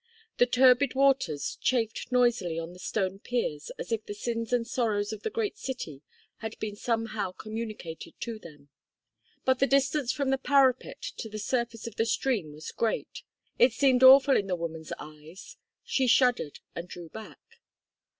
The turbid waters chafed noisily on the stone piers as if the sins and sorrows of the great city had been somehow communicated to them. But the distance from the parapet to the surface of the stream was great. It seemed awful in the woman's eyes. She shuddered and drew back.